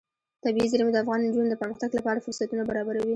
طبیعي زیرمې د افغان نجونو د پرمختګ لپاره فرصتونه برابروي.